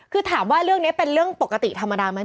คือถามว่าเรื่องนี้เป็นเรื่องปกติธรรมดาไหม